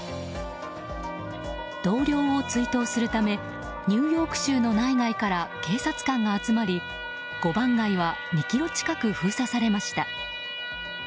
同僚を追悼するためニューヨーク州の内外から警察官が集まり５番街は２ｋｍ近く封鎖されました。